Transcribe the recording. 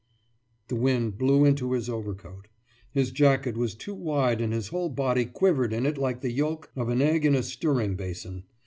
« The wind blew into his overcoat. His jacket was too wide and his whole body quivered in it like the yolk of an egg in a stirring basin.